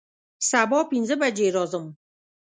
سبا پنځه بجې راځم